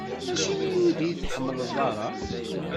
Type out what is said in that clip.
Acimi ur yi-tḥemmleḍ ara?